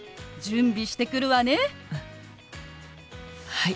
はい。